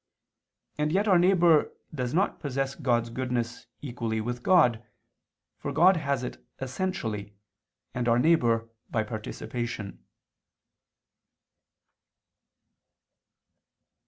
And yet our neighbor does not possess God's goodness equally with God, for God has it essentially, and our neighbor by participation.